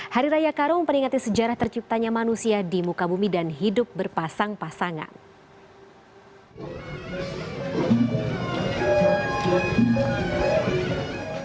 hari raya karung memperingati sejarah terciptanya manusia di muka bumi dan hidup berpasang pasangan